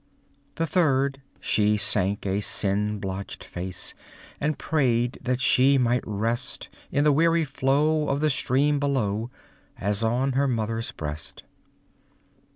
The third she sank a sin blotched face, And prayed that she might rest, In the weary flow of the stream below, As on her mother's breast.